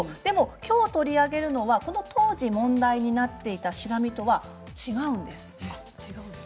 きょう取り上げるのはこの当時問題になっていたシラミとは違うんです。